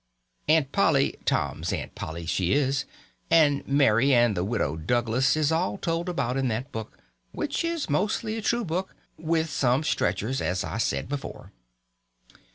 Aunt Polly—Tom's Aunt Polly, she is—and Mary, and the Widow Douglas is all told about in that book, which is mostly a true book, with some stretchers, as I said before.